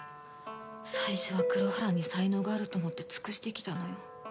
最初は黒原に才能があると思って尽くしてきたのよ。